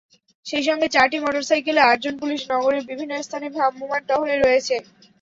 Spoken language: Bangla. সেই সঙ্গে চারটি মোটরসাইকেলে আটজন পুলিশ নগরের বিভিন্ন স্থানে ভ্রাম্যমাণ টহলে রয়েছে।